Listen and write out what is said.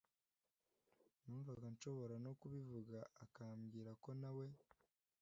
numvaga nshobora no kubivuga akambwira ko nawe